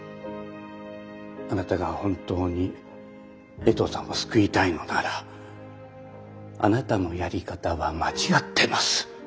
あなたが本当に衛藤さんを救いたいのならあなたのやり方は間違ってます。